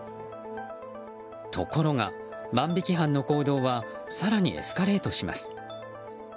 ところが、万引き犯の行動は更にエスカレートします。